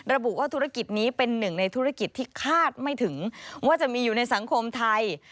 ระบุว่าธุรกิจนี้เป็นหนึ่งในธุรกิจที่คาดไม่ถึงว่าจะมีอยู่ในสังคมไทย